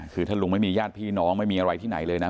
คือถ้าลุงไม่มีญาติพี่น้องไม่มีอะไรที่ไหนเลยนะ